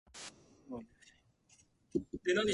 生まれ変わっても、俺はお前と出会いたい